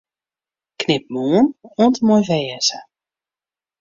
Knip 'Moarn' oant en mei 'wêze'.